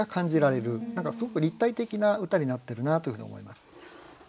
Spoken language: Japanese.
すごく立体的な歌になってるなというふうに思います。